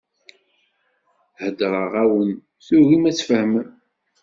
Heddreɣ-awen, tugim ad tfehmem.